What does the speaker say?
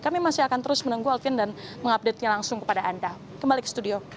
kami masih akan terus menunggu alfian dan mengupdate nya langsung kepada anda kembali ke studio